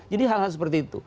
jadi hal hal seperti itu